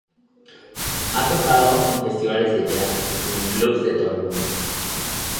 Ha tocado en festivales de Jazz y en clubs de todo el mundo.